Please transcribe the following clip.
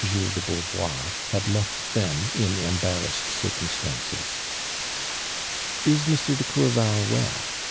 hiles de Beauvoii', had left them in embarrassed circumstances. "lsMr.de Courval well?"'